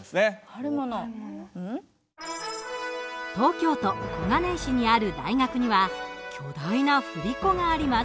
東京都小金井市にある大学には巨大な振り子があります。